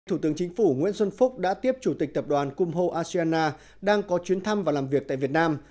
thủ tướng chính phủ nguyễn xuân phúc đã tiếp chủ tịch tập đoàn como asean đang có chuyến thăm và làm việc tại việt nam